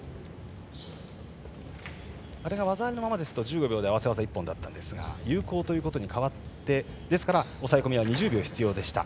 あれが技ありのままだと合わせ技一本だったんですが有効に変わって抑え込みは２０秒必要でした。